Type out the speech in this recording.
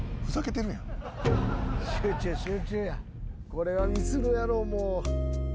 これはミスるやろもう。